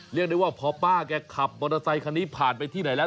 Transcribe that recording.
เรียกได้ว่าพอป้าแกขับมอเตอร์ไซคันนี้ผ่านไปที่ไหนแล้ว